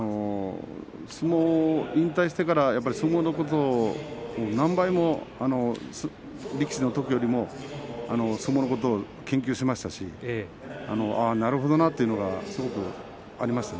相撲を引退してから相撲のことを何倍も、力士のときよりも相撲のことを研究しましたしなるほどなということがすごくありました。